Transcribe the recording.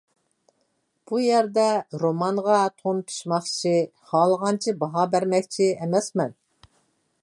بۇ يەردە رومانغا تون پىچماقچى، خالىغانچە باھا بەرمەكچى ئەمەسمەن.